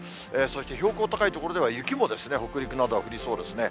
そして標高高い所では雪も北陸などは降りそうですね。